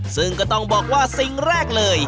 ซึ่งก็ต้องบอกว่าสิ่งแรกเลย